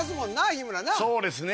日村そうですね